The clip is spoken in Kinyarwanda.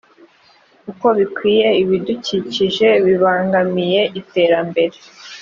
uko bikwiye ibidukikije bibangamiye iterambere